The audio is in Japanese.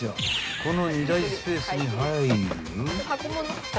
［この荷台スペースに入る？］